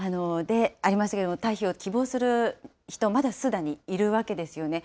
ありましたけれども、退避を希望する人、まだスーダンにいるわけですよね。